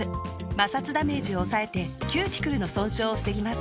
摩擦ダメージを抑えてキューティクルの損傷を防ぎます。